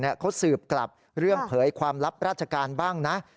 เขาสืบกลับเรื่องเผยความลับราชการบ้างนะ